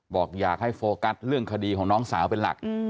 บอกอยากให้โฟกัสเรื่องคดีของน้องสาวเป็นหลัก